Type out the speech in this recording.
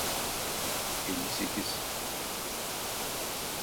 Elli sekiz